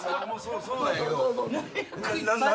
そうなんやけど何？